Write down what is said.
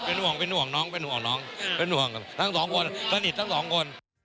เป็นห่วงเป็นห่วงน้องเป็นห่วงน้องเป็นห่วงครับทั้งสองคนสนิททั้งสองคน